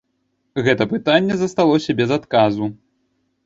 Гэта пытанне засталося без адказу!